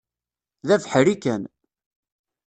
D abeḥri kan.